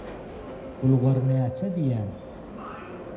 – Bulgary näçe diýýäň?